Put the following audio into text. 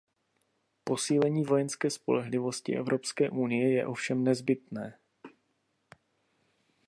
Posílení vojenské spolehlivosti Evropské unie je ovšem nezbytné.